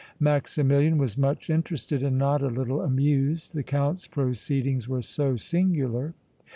Maximilian was much interested and not a little amused, the Count's proceedings were so singular.